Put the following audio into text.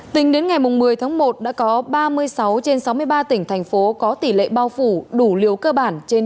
tính đến ngày một mươi tháng một đã có ba mươi sáu trên sáu mươi ba tỉnh thành phố có tỷ lệ bao phủ đủ liều cơ bản trên